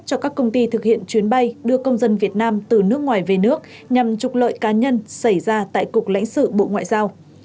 cho các công ty thực hiện chuyến bay đưa công dân việt nam từ nước ngoài về nước nhằm trục lợi cá nhân xảy ra tại cục lãnh sự bộ ngoại giao